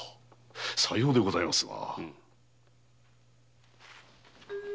さようでございますな。